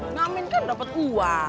ngamen kan dapat kuat